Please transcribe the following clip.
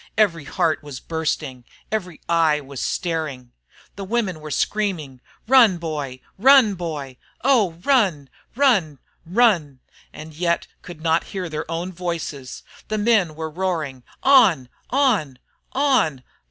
Every heart was bursting; every eye was staring. The women were screaming, "Run, boy! Run, boy! Oh! run! . run! run!" yet could not hear their own voices. The men were roaring, "On! On! On!